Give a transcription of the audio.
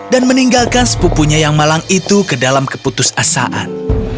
dan meninggalkan sepupunya yang malang itu ke dalam keputus asaan